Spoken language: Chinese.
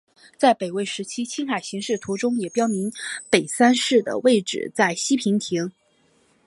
在北魏时期青海形势图中也标明北山寺的位置在西平亭。